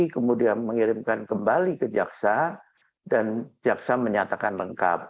kemudian mengirimkan kembali ke jaksa dan jaksa menyatakan lengkap